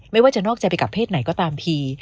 ไม่ว่าจะนอกใจไปกับเพศไหนก็ตามที